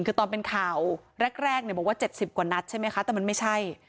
คือตอนเป็นข่าวแรกบอกว่า๗๐กว่านัดใช่ไหมคะแต่มันไม่ใช่